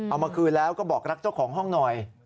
เอามาคืนแล้วก็บอกรักเจ้าของห้องหน่อย